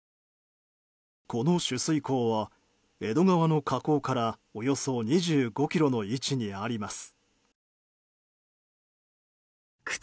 この取水口は江戸川の河口からおよそ２５ｋｍの位置にあります。